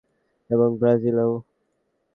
ওহ - হ্যাঁ বিভিন্ন দেশেই কাজ করছি এবং ব্রাজিলেও।